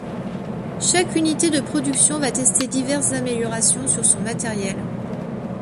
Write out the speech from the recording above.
Chaque unité de production va tester diverses améliorations sur son matériel.